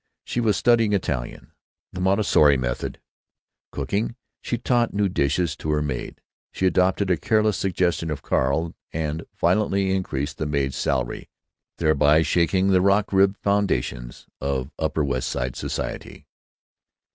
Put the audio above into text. She was studying Italian, the Montessori method, cooking. She taught new dishes to her maid. She adopted a careless suggestion of Carl and voluntarily increased the maid's salary, thereby shaking the rock ribbed foundations of Upper West Side society.